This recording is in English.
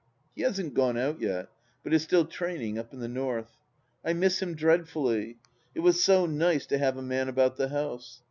,,. He hasn't gone out yet, but is still training, up in the North. I miss him dreadfully. It was so nice to have a man about the house.